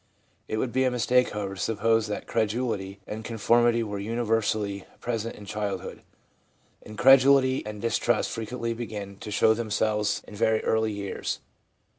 It would be a mistake, however, to suppose that credulity and conformity were universally present in childhood ; incredulity and distrust frequently begin to show themselves in very early years.